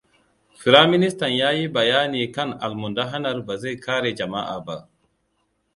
Firaministan ya yi bayani kan almundahanar ba zai kare jama'a ba.